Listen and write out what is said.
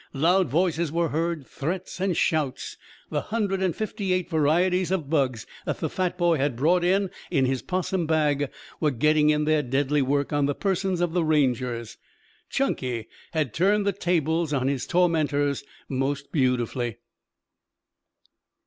Loud voices were heard, threats and shouts. The hundred and fifty eight varieties of bugs that the fat boy had brought in in his 'possum bag, were getting in their deadly work on the persons of the Rangers. Chunky had turned the tables on his tormentors most beautifully.